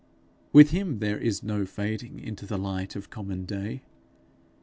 With him there is no fading into the light of common day.